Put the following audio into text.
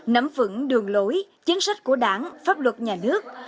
nắm vững đường lối chính sách của đảng pháp luật nhà nước